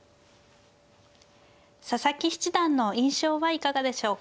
佐々木七段の印象はいかがでしょうか。